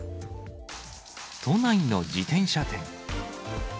都内の自転車店。